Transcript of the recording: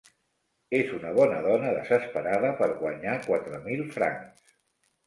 És una bona dona desesperada per guanyar quatre mil francs.